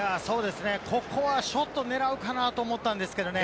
ここはショットを狙うかなと思ったんですけれどもね。